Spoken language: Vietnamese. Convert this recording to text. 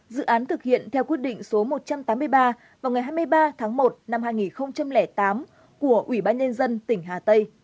dự án thực hiện theo quyết định số một trăm tám mươi ba vào ngày hai mươi ba tháng một năm hai nghìn tám của ủy ban nhân dân tỉnh hà tây